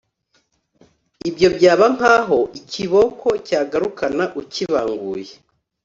Ibyo byaba nk’aho ikiboko cyagarukana ukibanguye,